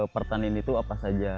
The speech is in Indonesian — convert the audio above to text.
pertanian itu apa saja